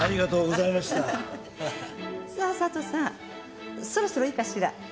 さあ佐都さんそろそろいいかしら？